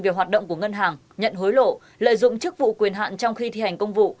về hoạt động của ngân hàng nhận hối lộ lợi dụng chức vụ quyền hạn trong khi thi hành công vụ